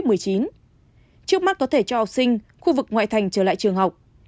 trước mắt có thể cho học sinh khu vực ngoại thành trở lại trường học